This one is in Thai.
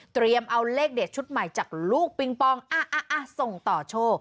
เอาเลขเด็ดชุดใหม่จากลูกปิงปองส่งต่อโชค